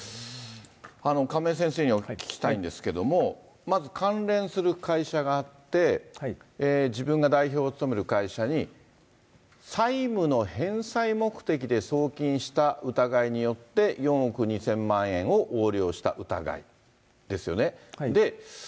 亀井先生にお聞きしたいんですけれども、まず関連する会社があって、自分が代表を務める会社に、債務の返済目的で送金した疑いによって、４億２０００万円を横領した疑いですよね。